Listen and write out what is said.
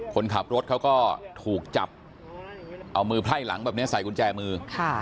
คนขับรถเขาก็ถูกจับเอามือไพร่หลังแบบนี้ใส่กุญแจมือ